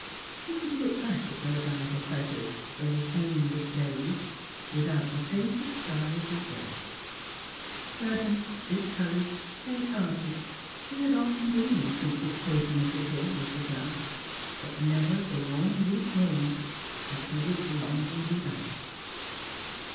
He could look back at those idle pleasures, those aimless days, without the faintest sigh of regret. Sad dened, discouraged, fainthearted, he had often been since this pilgrimage of his was begun ; but never for one weak moment had he looked longingly back.